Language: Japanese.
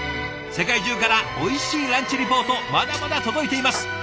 世界中からおいしいランチリポートまだまだ届いています。